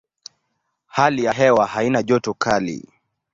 Hali ya hewa haina joto kali.